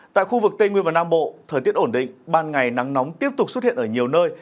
tại khu vực tây nguyên và nam bộ thời tiết ổn định ban ngày nắng nóng tiếp tục xuất hiện ở nhiều nơi